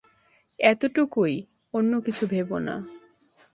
এতটুকুই, অন্যকিছু ভেবো না।